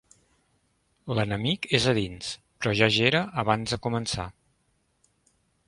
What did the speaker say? L'enemic és a dins, pro ja hi era abans de començar.